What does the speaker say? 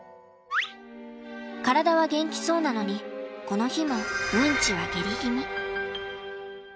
体は元気そうなのにこの日もうんちはゲリ気味。